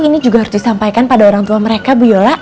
ini juga harus disampaikan pada orang tua mereka bu yola